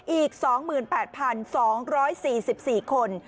อีก๒๘๒๔๔คน